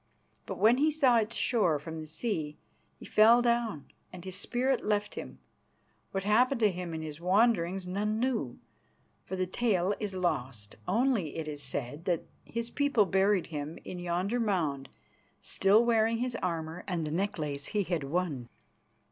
But when he saw its shore from the sea he fell down and his spirit left him. What happened to him in his wanderings none know, for the tale is lost. Only it is said that his people buried him in yonder mound still wearing his armour and the necklace he had won.